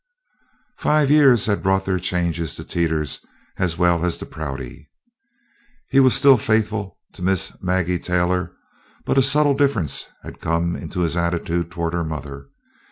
Five years had brought their changes to Teeters as well as to Prouty. He was still faithful to Miss Maggie Taylor, but a subtle difference had come into his attitude towards her mother.